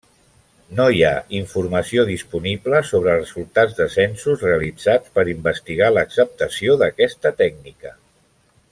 No hi ha informació disponible sobre resultats de censos realitzats per investigar l'acceptació d'aquesta tècnica.